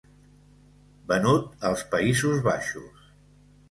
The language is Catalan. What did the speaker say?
Venut als Països Baixos.